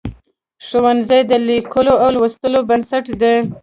ښوونځی د لیکلو او لوستلو بنسټ دی.